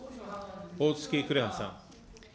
おおつき紅葉さん。